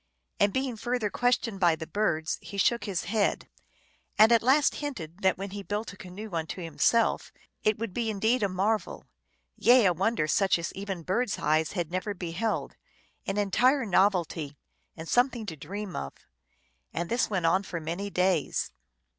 And being further questioned by the birds, he shook his head, and at last hinted that when he built a canoe unto himself it would be indeed a marvel ; yea, a wonder such as even birds eyes had never beheld, an entire novelty, and something to dream of. And this went on for many days.